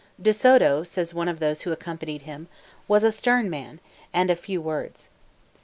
De Soto, says one of those who accompanied him, was a "stern man, and of few words."